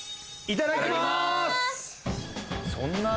・いただきます。